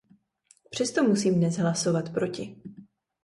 Přesto musím dnes hlasovat proti.